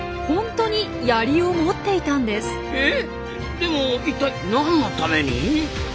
でも一体何のために？